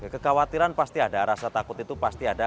kekhawatiran pasti ada rasa takut itu pasti ada